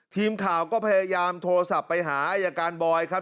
ทีมข่าวก็พยายามโทรศัพท์ไปหาอายการบอยครับ